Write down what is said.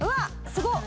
すごっ！